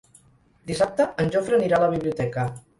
Dissabte en Jofre anirà a la biblioteca.